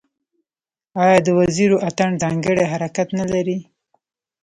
آیا د وزیرو اتن ځانګړی حرکت نلري؟